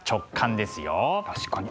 確かに。